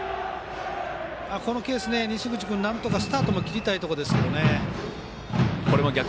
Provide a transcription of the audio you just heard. このケースで西口君はなんとかスタートも切りたいところですね。